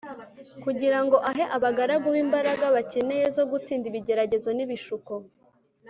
kugira ngo ahe abagaragu be imbaraga bakeneye zo gutsinda ibigeragezo nibishuko